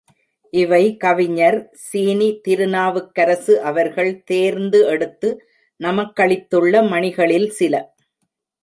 இவை கவிஞர் சீனி திருநாவுக்கரசு அவர்கள் தேர்ந்து எடுத்து நமக்களித்துள்ள மணிகளில் சில.